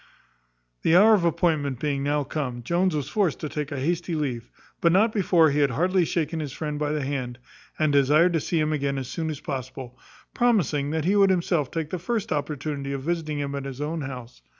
The hour of appointment being now come, Jones was forced to take a hasty leave, but not before he had heartily shaken his friend by the hand, and desired to see him again as soon as possible; promising that he would himself take the first opportunity of visiting him at his own house.